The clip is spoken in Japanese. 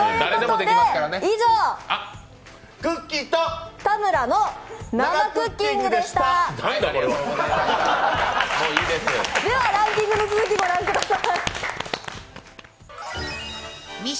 ではランキングの続きを御覧ください。